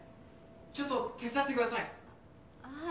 ちょっと手伝ってください。